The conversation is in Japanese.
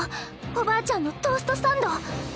おばあちゃんのトーストサンド。